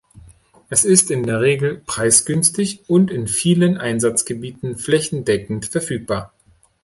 Es ist in der Regel preisgünstig und in vielen Einsatzgebieten flächendeckend verfügbar.